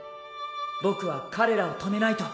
僕は彼らを止めないと。